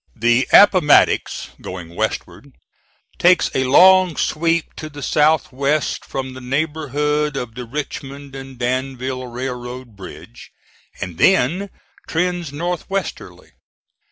The Appomattox, going westward, takes a long sweep to the south west from the neighborhood of the Richmond and Danville Railroad bridge, and then trends north westerly.